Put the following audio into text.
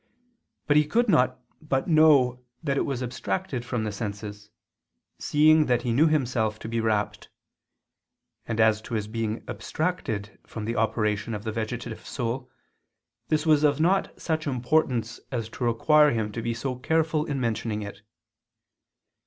But he could not but know that it was abstracted from the senses, seeing that he knew himself to be rapt; and as to his being abstracted from the operation of the vegetative soul, this was not of such importance as to require him to be so careful in mentioning it.